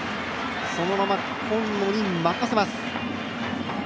そのまま今野に任せます。